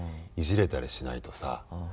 いじれたりしないとさ。